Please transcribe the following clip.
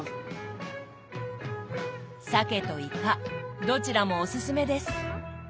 サケとイカどちらもおすすめです。